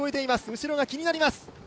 後ろが気になります。